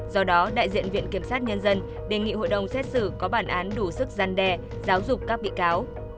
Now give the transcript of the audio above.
do đó đại diện viện kiểm sát nhân dân đề nghị hội đồng xét xử có bản án đủ sức gian đe giáo dục các bị cáo